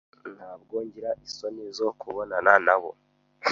Ntabwo ngira isoni zo kubonana nabo.